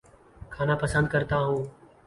کھانا پسند کرتا ہوں